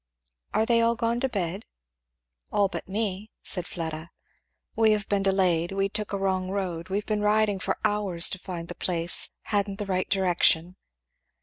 "Are they all gone to bed?" "All but me," said Fleda. "We have been delayed we took a wrong road we've been riding for hours to find the place hadn't the right direction."